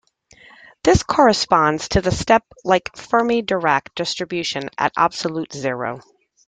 This corresponds to the step-like Fermi-Dirac distribution at absolute zero.